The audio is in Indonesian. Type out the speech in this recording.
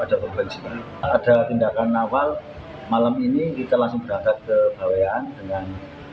ada tindakan awal malam ini kita langsung berangkat ke bawahan dengan